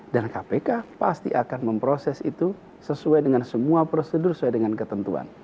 dan kpk pasti akan memproses itu sesuai dengan semua prosedur sesuai dengan ketentuan